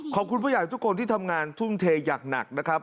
ขอบคุณผู้ใหญ่ทุกคนที่ทำงานทุ่มเทอย่างหนักนะครับ